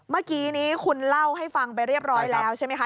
เมื่อกี้นี้คุณเล่าให้ฟังไปเรียบร้อยแล้วใช่ไหมคะ